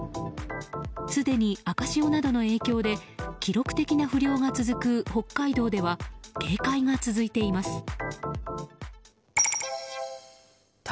すでに赤潮などの影響で記録的な不漁が続く北海道では、警戒が続いています。